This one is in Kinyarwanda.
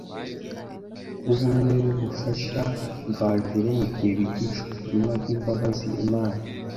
w’ubumwe n’Umufasha Mvajuru mu gihe bigisha ubutumwa bw’imbabazi Imana